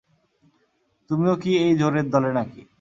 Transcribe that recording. তুমিও কি এই জোরোর দলে নাকি?